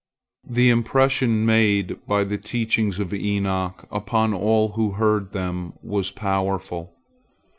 The impression made by the teachings of Enoch upon all who heard them was powerful.